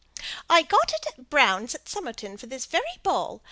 "I got it at Brown's, at Somerton, for this very ball.